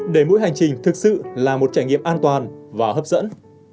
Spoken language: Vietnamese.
để mỗi hành trình thực sự là một trải nghiệm an toàn và hấp dẫn